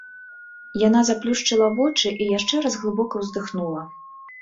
Яна заплюшчыла вочы і яшчэ раз глыбока ўздыхнула.